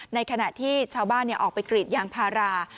ในขณะที่ชาวบ้านออกไปกรีดยางพารา